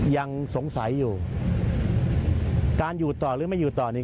ยังสงสัยอยู่การอยู่ต่อหรือไม่อยู่ต่อนี่